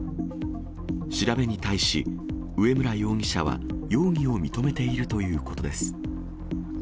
調べに対し、上村容疑者は容疑を認めているということです。